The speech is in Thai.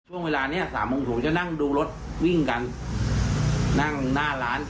มีเสียงก่อนเสียงดังโครมดังเลย